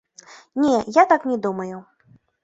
Не, я так не думаю.